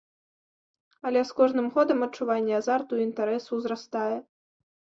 Але з кожным годам адчуванне азарту і інтарэсу ўзрастае.